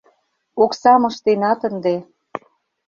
— Оксам ыштенат ынде.